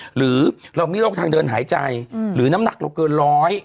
หรือเรามีโรคทางเดินหายใจหรือน้ำหนักเราเกินร้อย